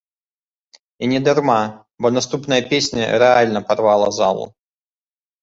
І не дарма, бо наступная песня рэальна парвала залу.